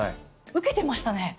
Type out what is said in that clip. ウケてましたね。